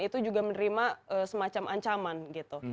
itu juga menerima semacam ancaman gitu